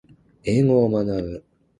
英語を学ぶ